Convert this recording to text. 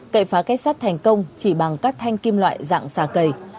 cậy phá kết sát thành công chỉ bằng cắt thanh kim loại dạng xà cầy